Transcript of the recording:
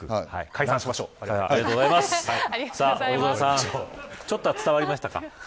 大空さんちょっとは伝わりましたか。